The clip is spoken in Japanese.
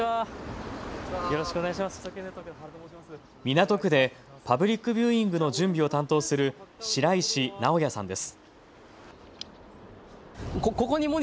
港区でパブリックビューイングの準備を担当する白石直也さんです。